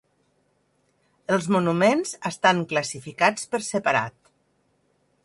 Els monuments estan classificats per separat.